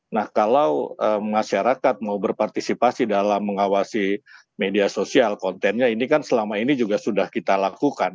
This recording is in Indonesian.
nah kalau masyarakat mau berpartisipasi dalam mengawasi media sosial kontennya ini kan selama ini juga sudah kita lakukan